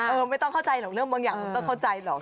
ไม่ต้องเข้าใจหรอกเรื่องบางอย่างมันต้องเข้าใจหรอก